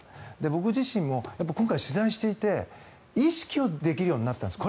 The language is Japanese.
僕自身も今回取材していて意識はできるようになったんです。